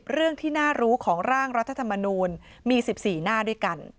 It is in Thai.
เรื่องที่น่ารู้ของร่างรัฐธรรมนูลมี๑๔หน้าด้วยกัน